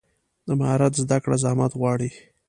د مهارت زده کړه زحمت غواړي.